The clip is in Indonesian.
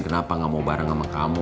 kenapa gak mau bareng sama kamu